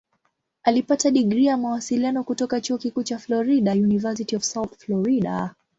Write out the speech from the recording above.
Alipata digrii ya Mawasiliano kutoka Chuo Kikuu cha Florida "University of South Florida".